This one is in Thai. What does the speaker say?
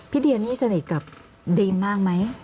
เดียนี่สนิทกับดีมมากไหม